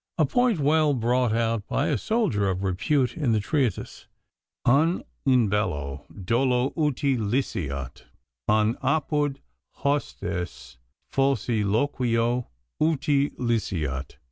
a point well brought out by a soldier of repute in the treatise "An in bello dolo uti liceat; an apud hostes falsiloquio uti liceat."